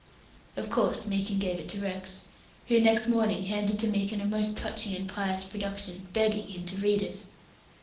Of course Meekin gave it to Rex, who next morning handed to Meekin a most touching pious production, begging him to read it.